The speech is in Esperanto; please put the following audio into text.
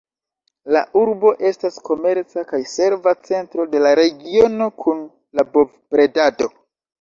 La urbo estas komerca kaj serva centro de la regiono kun la bov-bredado.